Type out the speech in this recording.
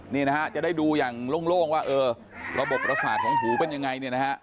นี่นะครับจะได้ดูอย่างโล่งว่าระบบรักษาของหูเป็นยังไง